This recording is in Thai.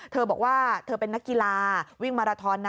เธอบอกว่าเธอเป็นนักกีฬาวิ่งมาราทอนนะ